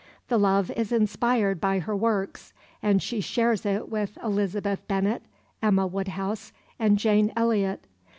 The love is inspired by her works, and she shares it with Elizabeth Bennet, Emma Woodhouse, and Anne Elliot.